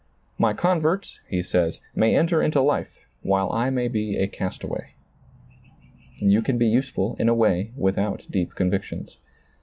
" My converts," he says, " may enter into life, while I may be a castaway." You can be useful, in a way, without deep convictions.